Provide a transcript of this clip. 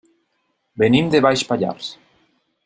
Venim de Baix Pallars.